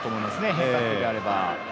変化球があれば。